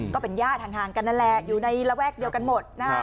ก็เป็นญาติห่างกันนั่นแหละอยู่ในระแวกเดียวกันหมดนะฮะ